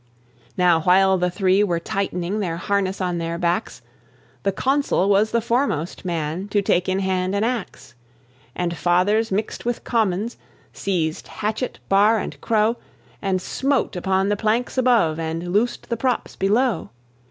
Now while the Three were tightening Their harness on their backs, The Consul was the foremost man To take in hand an ax; And Fathers mixed with Commons Seized hatchet, bar, and crow, And smote upon the planks above, And loosed the props below.